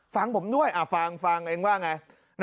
ฟังผมด้วยฟังเองว่าไง